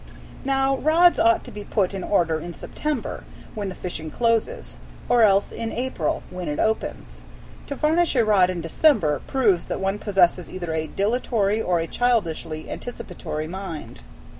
Now rods ought to be put in order in September, when the fishing closes, or else in April, when it opens. To varnish a rod in December proves that one possesses either a dilatory or a childishly anticipatory mind.